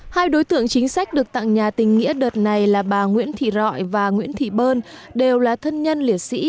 hai đối tượng chính sách được tặng nhà tình nghĩa đợt này là bà nguyễn thị rọi và nguyễn thị bơn đều là thân nhân liệt sĩ